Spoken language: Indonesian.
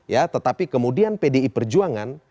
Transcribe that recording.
ya tetapi kemudian pdi perjuangan